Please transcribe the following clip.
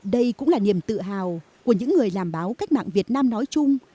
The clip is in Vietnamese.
đây cũng là niềm tự hào của những người làm báo cách mạng việt nam nói chung